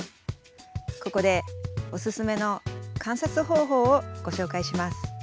ここでおすすめの観察方法をご紹介します。